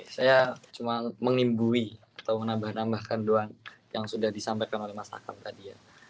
saya cuma menimbui atau menambahkan doa yang sudah disampaikan oleh mas akan tadi